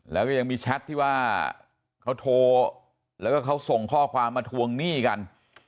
แล้วก็ยังมีแชทที่ว่าเขาโทรแล้วก็เขาส่งข้อความมาทวงหนี้กัน